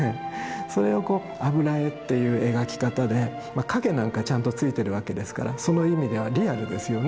それをこう油絵っていう描き方で陰なんかちゃんとついてるわけですからその意味ではリアルですよね。